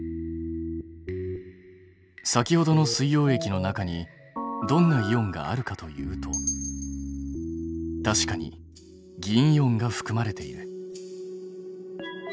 先ほどの水溶液の中にどんなイオンがあるかというと確かに銀イオンがふくまれている。